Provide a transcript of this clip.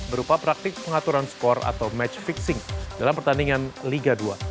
berupa praktik pengaturan skor atau match fixing dalam pertandingan liga dua